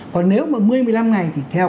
còn nếu mà một mươi một mươi năm ngày thì theo